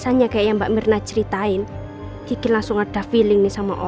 jangan jadi kupung kamu tapi kan tidak ada satu llata putih hidup itu